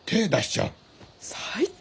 最低！